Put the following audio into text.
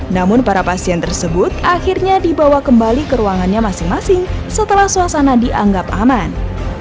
namun para pasien tersebut akhirnya dibawa kembali ke ruangannya masing masing setelah suasana dianggap aman